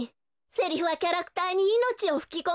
セリフはキャラクターにいのちをふきこむのよ。